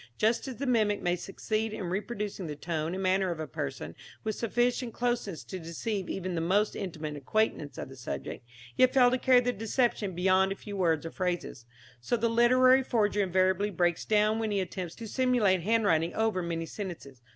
Just as the mimic may succeed in reproducing the tone and manner of a person with sufficient closeness to deceive even the most intimate acquaintances of the subject, yet fail to carry the deception beyond a few words or phrases, so the literary forger invariably breaks down when he attempts to simulate handwriting over many sentences.